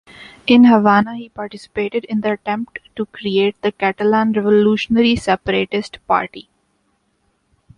In Havana, he participated in the attempt to create the Catalan Revolutionary Separatist Party.